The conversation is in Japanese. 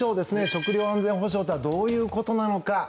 食料安全保障とはどういうことなのか。